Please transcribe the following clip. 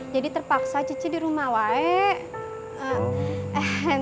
jadi terpaksa cici di rumah saya